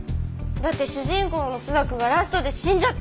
だって主人公の朱雀がラストで死んじゃったんですから！